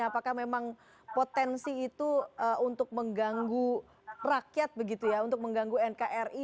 apakah memang potensi itu untuk mengganggu rakyat begitu ya untuk mengganggu nkri